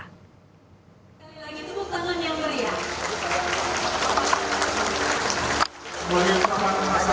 kali lagi tumpuk tangan yang beri ya